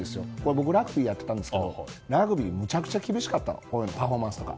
僕、ラグビーやっていたんですけどラグビーはむちゃくちゃ厳しかったパフォーマンスとか。